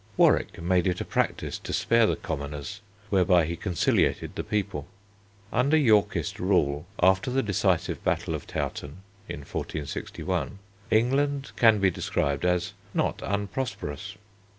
Warwick made it a practice to spare the commoners, whereby he conciliated the people. Under Yorkist rule, after the decisive battle of Towton (1461) England can be described as not unprosperous.